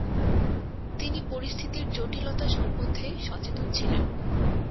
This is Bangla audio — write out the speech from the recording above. তিনি পরিস্থিতির জটিলতা সম্মন্ধে সচেতন ছিলেন।